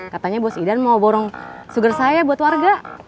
katanya bos idan mau borong sugar saya buat warga